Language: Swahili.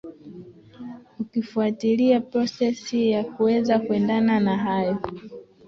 akifuatilia process ya yakuweza kwenda na na huyo